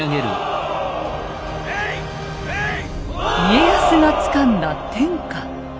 家康がつかんだ天下。